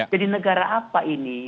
jadi negara apa ini